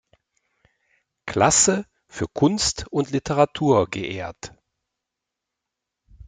Klasse für Kunst und Literatur geehrt.